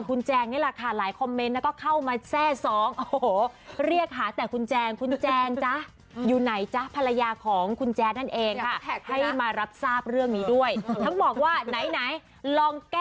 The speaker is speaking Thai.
คุณแจงนี่แหละค่ะหลายคอมเมนต์แล้วก็เข้ามาแทร่สอง